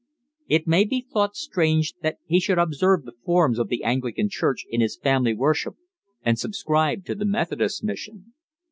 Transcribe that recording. It may be thought strange that he should observe the forms of the Anglican Church in his family worship and subscribe to the Methodist Mission.